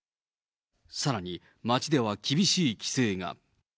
さらに、街では厳しい規制が。